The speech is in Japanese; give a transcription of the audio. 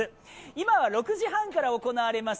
今は６時半から行われます